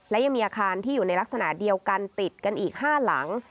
และยังมีอาคารที่อยู่ในลักษณะเดียวกันติดกันอีก๕หลัง